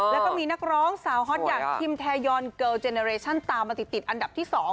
แล้วก็มีนักร้องสาวฮอตอย่างคิมแทยอนเกิลเจเนอเรชั่นตามมาติดอันดับที่๒